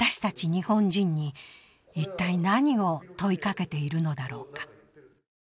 日本人に一体何を問いかけているのだろうか。